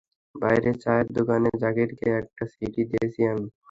বাইরে চায়ের দোকানে জাকিরকে একটা চিঠি দিয়েছি আমি।